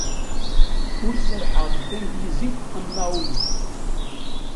Ur serrḥeɣ deg tanglizit am Naomi.